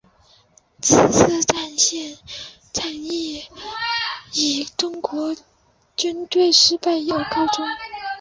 此次战役以中国军队失败而告终。